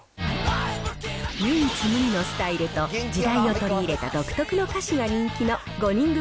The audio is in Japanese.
唯一無二のスタイルと、時代を取り入れた独特の歌詞が人気の５人組